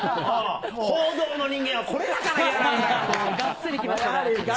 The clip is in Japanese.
報道の人間はこれだから嫌なんだ